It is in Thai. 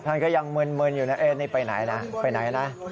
ท่านก็ยังมึนอยู่นะนี่ไปไหนนะไปไหนนะ